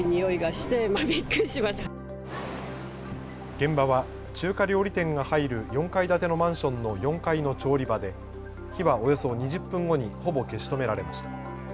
現場は中華料理店が入る４階建てのマンションの４階の調理場で火はおよそ２０分後にほぼ消し止められました。